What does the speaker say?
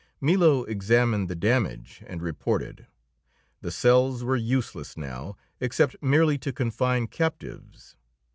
Milo examined the damage, and reported. The cells were useless now, except merely to confine captives.